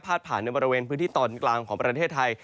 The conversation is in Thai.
ผ่านในบริเวณพื้นที่ตอนกลางของประเทศไทย